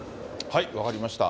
分かりました。